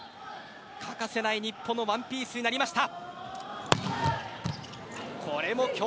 欠かせない日本の１ピースになりました。